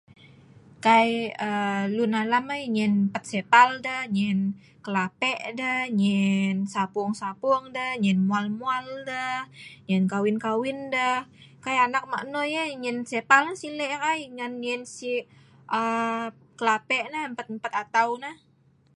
Kai aaa leun alam ai nyen pet selipal deh, nyen kelapeh' deh, nyen sapung sapung deh, nyen m'muak m'mual deh, nyen kawin deh,